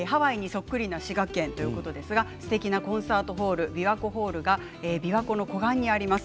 そっくりな滋賀県ということですがすてきなコンサートホール、びわ湖ホールが琵琶湖の湖岸にあります。